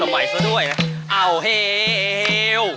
เฮ้เอ้าเฮ้เห้ว